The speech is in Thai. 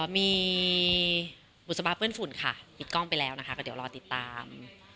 มีบุษบ้าเปิ้ลฝุ่นค่ะดิบลองไปแล้วเดี๋ยวรอติดตาม